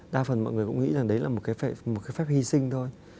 đa phần mọi người cũng nghĩ rằng đấy là một cái phép hy sinh thôi